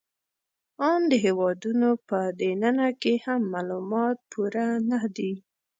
آن د هېوادونو په دننه کې هم معلومات پوره نهدي